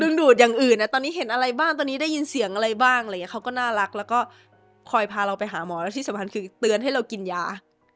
ดูดอย่างอื่นตอนนี้เห็นอะไรบ้างตอนนี้ได้ยินเสียงอะไรบ้างอะไรอย่างเงี้เขาก็น่ารักแล้วก็คอยพาเราไปหาหมอแล้วที่สำคัญคือเตือนให้เรากินยา